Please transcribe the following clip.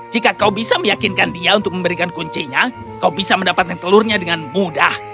jika kau bisa meyakinkan dia untuk memberikan kuncinya kau bisa mendapatkan telurnya dengan mudah